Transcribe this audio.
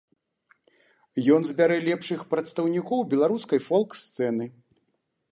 Ён збярэ лепшых прадстаўнікоў беларускай фолк-сцэны.